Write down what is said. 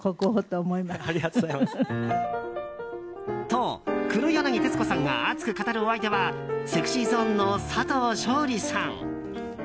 と、黒柳徹子さんが熱く語るお相手はＳｅｘｙＺｏｎｅの佐藤勝利さん。